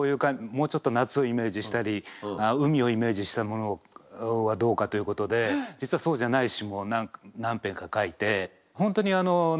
もうちょっと夏をイメージしたり海をイメージしたものはどうかということで実はそうじゃない詞も何編か書いて。